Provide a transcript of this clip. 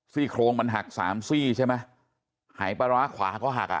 ซี่โครงมันหัก๓ซี่ใช่ไหมหายภาระขวาก็หัก